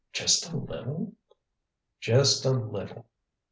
just a little? Just a little!